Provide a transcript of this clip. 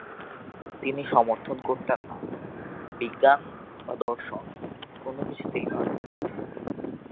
তিনি সমর্থন করতেন না, বিজ্ঞান বা দর্শন কোনকিছুতেই নয়।